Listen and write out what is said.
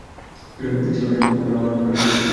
এছাড়াও James Faulkner all rounder হিসেবে রয়েছেন।